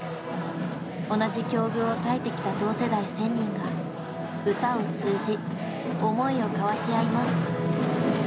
同じ境遇を耐えてきた同世代１，０００人が歌を通じ思いを交わし合います。